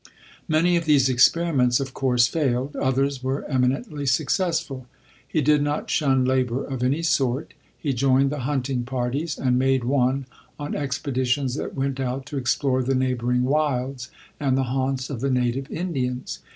Many of these experiments of course failed ; others were emi nentlv successful. He did not shun labour of any sort. He joined the hunting parties, and made one on expeditions that went out to ex plore the neighbouring wilds, and the haunts of the native Indians.